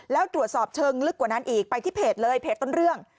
แล้วตรวจสอบเชิงลึกกว่านั้นอีกไปที่เพจเลยเพจต้นเรื่อง